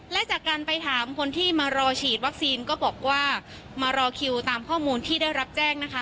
และจากการไปถามคนที่มารอฉีดวัคซีนก็บอกว่ามารอคิวตามข้อมูลที่ได้รับแจ้งนะคะ